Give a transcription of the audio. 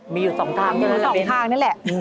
มีอยู่๒ทางก็ได้แหละมันใจดีกว่าขี้เหนียว